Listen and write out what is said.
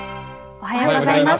おはようございます。